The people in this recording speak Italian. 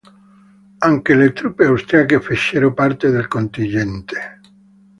Anche le truppe austriache fecero parte del contingente.